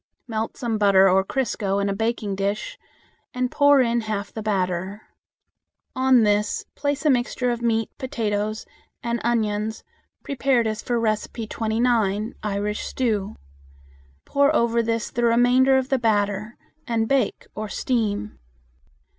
Melt some butter or crisco in a baking dish and pour in half the batter. On this place a mixture of meat, potatoes, and onions prepared as for No. 29. Pour over this the remainder of the batter and bake or steam.